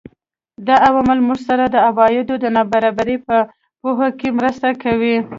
دا عوامل موږ سره د عوایدو د نابرابرۍ په پوهه کې مرسته کوي